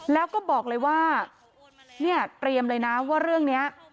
แล้วก็บอกเลยว่าเนี่ยเตรียมเลยนะว่าเรื่องนี้